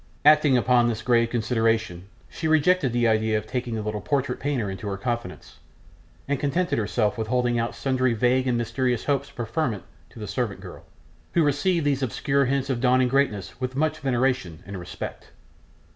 Acting upon this grave consideration she rejected the idea of taking the little portrait painter into her confidence, and contented herself with holding out sundry vague and mysterious hopes of preferment to the servant girl, who received these obscure hints of dawning greatness with much veneration and respect.